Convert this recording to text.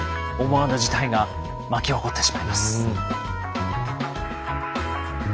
思わぬ事態が巻き起こってしまいます。